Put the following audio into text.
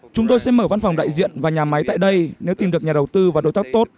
chúng tôi sẽ mở văn phòng đại diện và nhà máy tại đây nếu tìm được nhà đầu tư và đối tác tốt